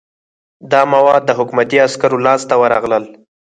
دا مواد د حکومتي عسکرو لاس ته ورغلل.